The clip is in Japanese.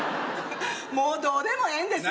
もうどうでもええんです。